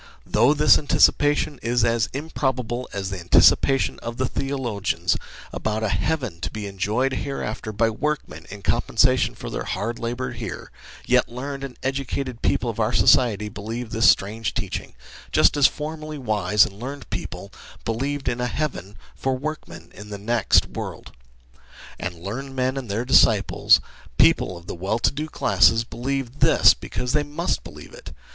Though this anticipation is as improbable as the anticipation of the theologians about a heaven to be enjoyed hereafter by workmen in compensation for their hard labour here, yet learned and educated people of our society believe this strange teaching, just as formerly wise and learned people believed in a heaven for workmen in the next world. And learned men and their disciples people of the well to do classes believe this because they must believe it.